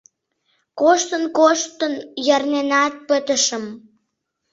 Коштын-коштын, ярненат пытышым.